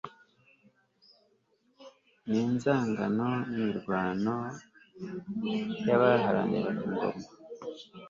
ni inzangano n'imirwano y'abaharaniraga ingoma